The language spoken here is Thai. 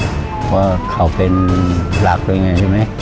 เพราะเขาเป็นหลักด้วยไงใช่ไหม